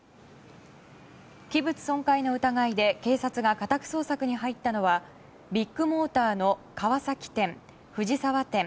器物損壊の疑いで警察が家宅捜索に入ったのはビッグモーターの川崎店、藤沢店